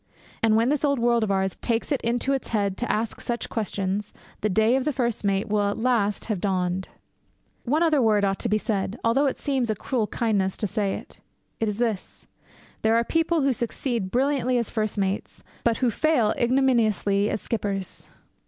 And when this old world of ours takes it into its head to ask such questions, the day of the first mate will at last have dawned. One other word ought to be said, although it seems a cruel kindness to say it. It is this. There are people who succeed brilliantly as first mates, but who fail ignominiously as skippers.